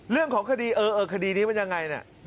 เรื่องของคดีเออคดีนี้มันยังไง